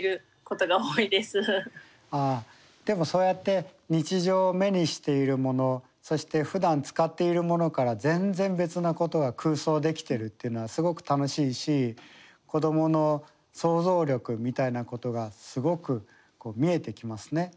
ああでもそうやって日常目にしているものそしてふだん使っているものから全然別なことが空想できてるっていうのはすごく楽しいし子どもの想像力みたいなことがすごく見えてきますね。